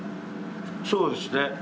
そうですね。